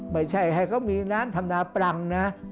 ไม่ใช่ให้เขามีน้ำทำนาปรังนะ